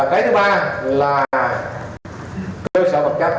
cái thứ ba là cơ sở vật chất